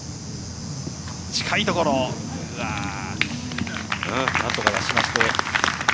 近いところ、何とか出しました。